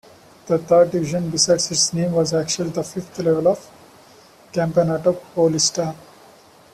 The Third Division, besides its name, was actually the fifth level of Campeonato Paulista.